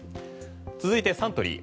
続いてサントリー。